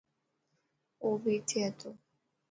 او بي اٿي هتو.